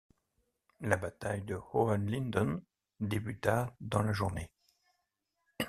La bataille de Hohenlinden débuta dans la journée.